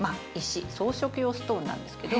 装飾用ストーンなんですけど。